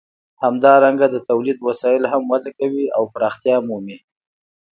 همدارنګه د تولید وسایل هم وده کوي او پراختیا مومي.